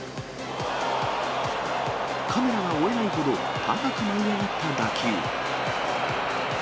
カメラが追えないほど、高く舞い上がった打球。